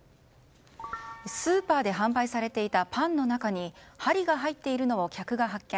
スーパーで販売されていたパンの中に針が入っているのを客が発見。